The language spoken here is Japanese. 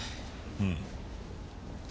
うん。